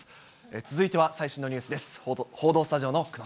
続いては最新のニュースです。